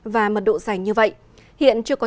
và mật độ dài như vậy hiện chưa có